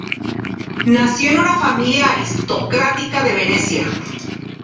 Nació en una familia aristocrática de Venecia.